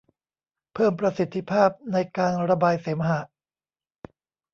เพิ่มประสิทธิภาพในการระบายเสมหะ